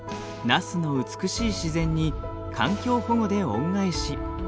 那須の美しい自然に環境保護で恩返し。